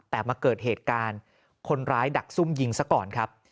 แต่มาเกิดเหตุการณ์คนร้ายดักซุ่มยิงซะก่อนครับ